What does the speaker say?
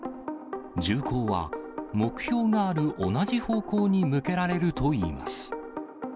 銃口は目標がある同じ方向に向けられるといいます。